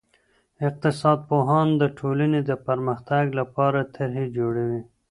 اقتصاد پوهان د ټولني د پرمختګ لپاره طرحي جوړوي.